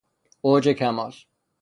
اوج کمال